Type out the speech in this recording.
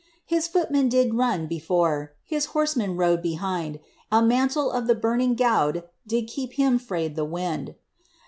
His footmen they did run before, His horsemen rode behind ; A mantle of the burning gowd Did keep him frae the wind.